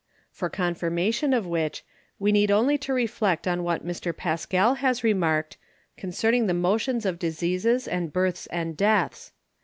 For Confirmation of which, we need only to reflect on what Mr. Paschal has remark'd, concerning the Motions of Diseases and Births and Deaths.